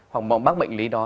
hoặc mắc bệnh lý đó